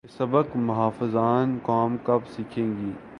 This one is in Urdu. یہ سبق محافظان قوم کب سیکھیں گے؟